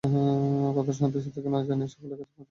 কথাটা সন্ত্রাসীদেরকে না জানিয়ে সকলের কাছে পৌঁছে দিতে হবে।